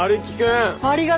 ありがとう！